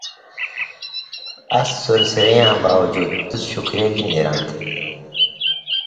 اَس سُرسیۡرَیں یاں باوجود)، تُس شُکھریہ گِن نېراں تھہ؟